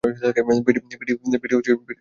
PT teacher আসছেন!